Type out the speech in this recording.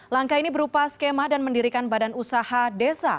langkah ini berupa skema dan mendirikan badan usaha desa